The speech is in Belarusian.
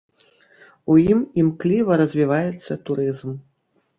У ім імкліва развіваецца турызм.